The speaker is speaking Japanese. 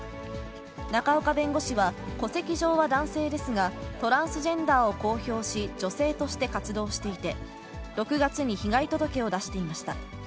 仲岡弁護士は、戸籍上は男性ですが、トランスジェンダーを公表し、女性として活動していて、６月に被害届を出していました。